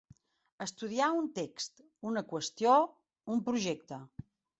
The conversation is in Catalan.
Estudiar un text, una qüestió, un projecte.